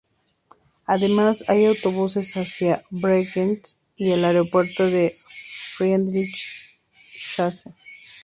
Además hay autobuses hacia Bregenz y al aeropuerto de Friedrichshafen.